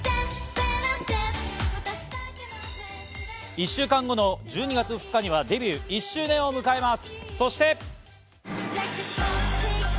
１週間後の１２月２日にはデビュー１周年を迎えます。